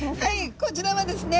こちらはですね